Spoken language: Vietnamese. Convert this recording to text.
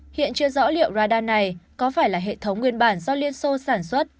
hiện chưa rõ liệu radar này có phải là hệ thống nguyên bản do liên xô sản xuất